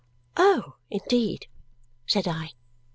"Oh, indeed!" said I.